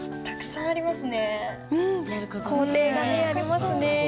たくさんありますね。